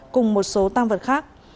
cùng một số tăng vật khác